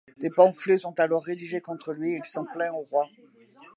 Des pamphlets sont alors rédigés contre lui et il s'en plaint au Roi.